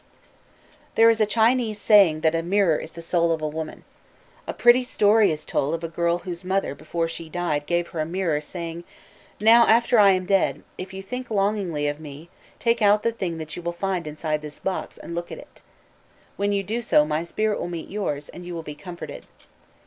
_ There is a Chinese saying that a mirror is the soul of a woman. A pretty story is told of a girl whose mother before she died gave her a mirror, saying: "Now after I am dead, if you think longingly of me, take out the thing that you will find inside this box, and look at it. When you do so my spirit will meet yours, and you will be comforted."